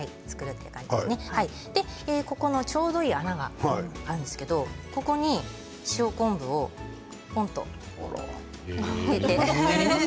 この、ちょうどいい穴があるんですけれどもここに塩昆布をぽんと置きます。